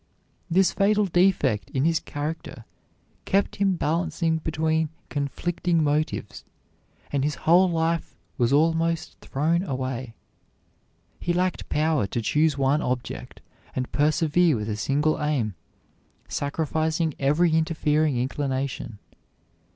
This fatal defect in his character kept him balancing between conflicting motives; and his whole life was almost thrown away. He lacked power to choose one object and persevere with a single aim, sacrificing every interfering inclination.